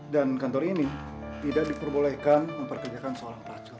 dan kantor ini tidak diperbolehkan memperkerjakan seorang pacar